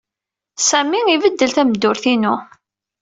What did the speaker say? Sami ibeddel tameddurt-inu.